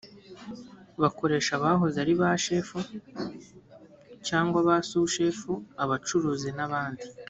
bakoresha abahoze ari bashefu cyangwa ba sushefu abacuruzi n’abandi